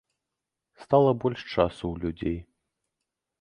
Стала больш часу ў людзей.